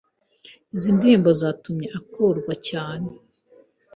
izi ndirimbo za tumye akurwa cyane